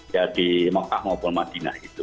ya di mekah maupun madinah itu